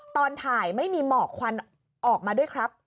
ตอนถ่ายไม่มีหมอกควันออกมาด้วยครับ